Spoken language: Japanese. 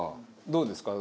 どうですか？